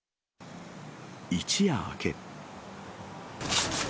一夜明け。